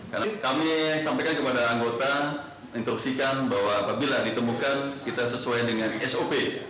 karena kami sampaikan kepada anggota instruksikan bahwa apabila ditemukan kita sesuai dengan sop